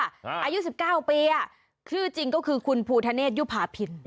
อายุ๑๙ปีชื่อจริงก็คือคุณภูทะเนศยุภาพิน